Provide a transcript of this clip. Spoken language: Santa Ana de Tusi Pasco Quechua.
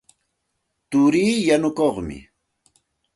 Turii yanukuqmi.